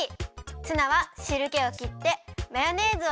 ツナはしるけをきってマヨネーズをいれてまぜます。